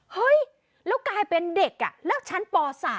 เฮ้ยแล้วกลายเป็นเด็กแล้วชั้นป๓